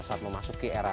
saat memasuki kesehatan